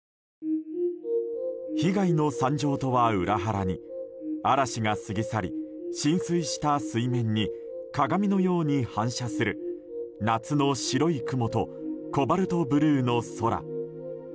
被害の惨状とは裏腹に嵐が過ぎ去り浸水した水面に鏡のように反射する夏の白い雲とコバルトブルーの空。